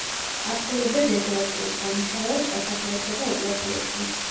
ასრულებდა დეკორაციულ სამუშაოებს სასახლეებსა და ეკლესიებში.